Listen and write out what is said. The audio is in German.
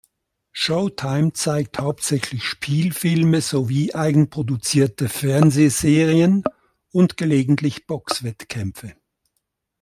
Showtime zeigt hauptsächlich Spielfilme sowie eigenproduzierte Fernsehserien und gelegentlich Boxwettkämpfe.